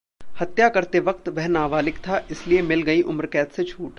हत्या करते वक्त वह नाबालिग था, इसलिए मिल गई उम्रकैद से छूट